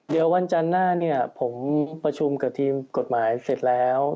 เดี๋ยววันจันทร์หน้าเนี่ยผมประชุมกับทีมกฎหมายเสร็จแล้ว